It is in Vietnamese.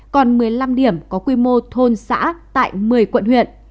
còn một mươi năm điểm có quy mô thôn xã tại một mươi quận huyện